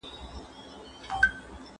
¬ لږ مي درکه، خوند ئې درکه.